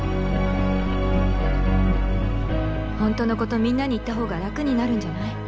本当のことみんなに言った方が楽になるんじゃない？